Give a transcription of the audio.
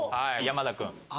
山田君。